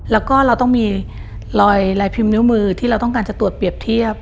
แล้วก็เราต้องมีรอยลายพิมพ์นิ้วมือที่เราต้องการจะตรวจเปรียบเทียบ